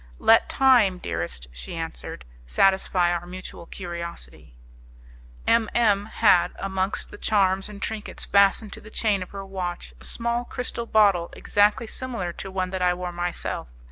"Let time, dearest," she answered, "satisfy our mutual curiosity." M M had, amongst the charms and trinkets fastened to the chain of her watch, a small crystal bottle exactly similar to one that I wore myself.